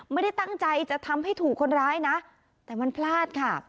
ไม่ได้ตั้งใจจะทำให้ถูกคนร้ายนะแต่มันพลาดค่ะ